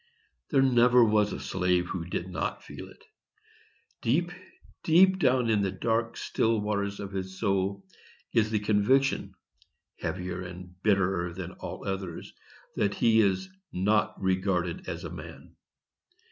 There never was a slave who did not feel it. Deep, deep down in the dark, still waters of his soul is the conviction, heavier, bitterer than all others, that he is not regarded as a man.